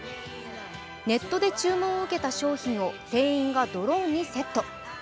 ネットで注文を受けた商品を店員がドローンにセット。